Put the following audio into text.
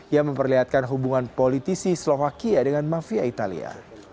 yang memperlihatkan hubungan politisi slovakia dengan mafia italia